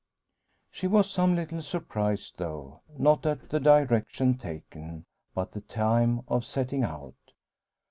She was some little surprised, though; not at the direction taken, but the time of setting out.